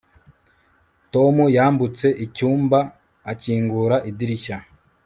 Tom yambutse icyumba akingura idirishya